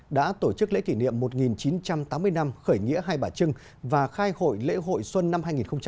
đã tổ chức lễ kỷ niệm một nghìn chín trăm tám mươi năm khởi nghĩa hai bà trưng và khai hội lễ hội xuân năm hai nghìn hai mươi